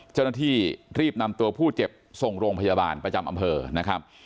เจ้าหน้าที่รีบนำตัวผู้เจ็บส่งโรงพยาบาลประจำอำเภอนะครับ